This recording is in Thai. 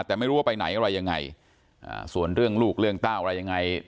แต่ไม่รู้ว่าไปไหนอะไรยังไงส่วนเรื่องลูกเรื่องเต้าอะไรยังไง